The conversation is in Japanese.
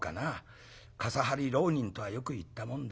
傘張り浪人とはよく言ったもんだ。